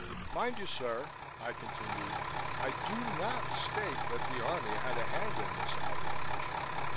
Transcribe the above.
Mind you, sir!" I continued, "I do not state that the Army had a hand in this outrage.